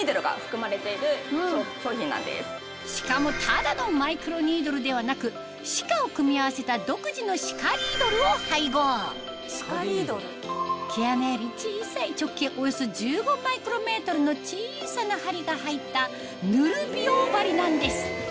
しかもただのマイクロニードルではなくＣＩＣＡを組み合わせた独自のシカリードルを配合毛穴より小さい直径およそ１５マイクロメートルの小さな針が入った塗る美容針なんです